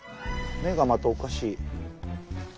目がまたおかしい。